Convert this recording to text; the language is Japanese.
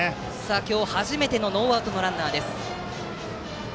今日、初めてのノーアウトのランナーです。